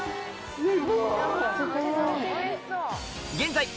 すごい。